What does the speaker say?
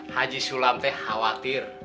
haji sulam teh khawatir